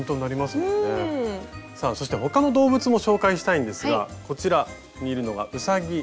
うん！さあそして他の動物も紹介したいんですがこちらにいるのがうさぎ。